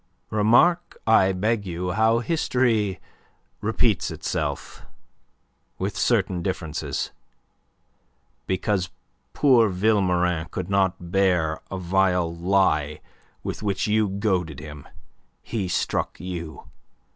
Remark, I beg you, how history repeats itself with certain differences. Because poor Vilmorin could not bear a vile lie with which you goaded him, he struck you.